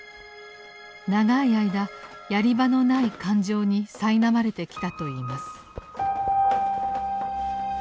長い間やり場のない感情にさいなまれてきたといいます。